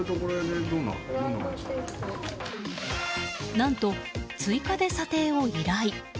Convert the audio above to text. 何と、追加で査定を依頼。